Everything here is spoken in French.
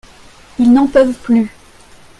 Ils n’en peuvent plus.